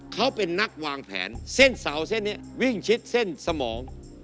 เขาเป็นนักวางแผนเส้นเสาเส้นนี้วิ่งชิดเส้นสมอง